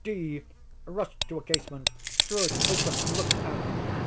D—— rushed to a casement, threw it open, and looked out.